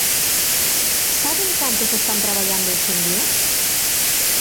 ¿Saben cantos están traballando hoxe en día?